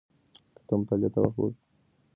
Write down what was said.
که ته مطالعې ته وخت ورکړې پوهېږې.